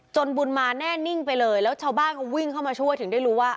บุญมาแน่นิ่งไปเลยแล้วชาวบ้านเขาวิ่งเข้ามาช่วยถึงได้รู้ว่า